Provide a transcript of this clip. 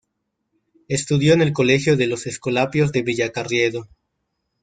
Estudió en el colegio de los Escolapios de Villacarriedo.